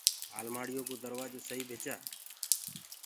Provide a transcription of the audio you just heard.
المآڙي يو ڪو دروآجو سئي ڀِچآ۔